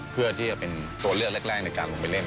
เพื่อที่จะเป็นตัวเลือกแรกในการลงไปเล่น